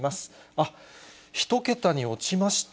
あっ、１桁に落ちました。